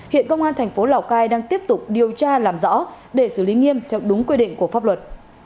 hiện công an thành phố lào cai đang tiếp tục điều tra làm rõ để xử lý nghiêm theo đúng quy định của pháp luật